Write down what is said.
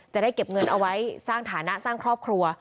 จะได้เก็บเงินเอาไว้สร้างฐานะสร้างครอบครัว